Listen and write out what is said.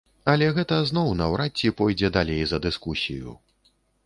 Але гэта зноў наўрад ці пойдзе далей за дыскусію.